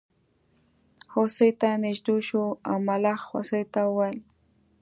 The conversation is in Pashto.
هوسۍ ته نژدې شو او ملخ هوسۍ ته وویل.